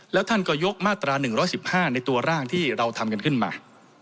แล้วท่านก็ยกมาตรา๑๑๕ในตัวร่างที่เราทำกันขึ้นมา